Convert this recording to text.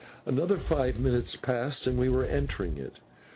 Another five minutes passed and we were entering it.